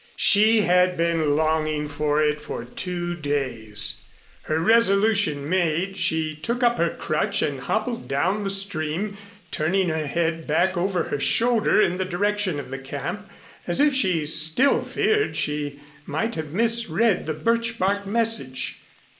She had been longing for it for two days! Her resolution made, she took up her crutch and hobbled down the stream, turning her head back over her shoulder in the direction of the camp as if she still feared she might have misread the birch bark message.